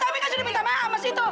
tapi kan saya udah minta maaf mas itu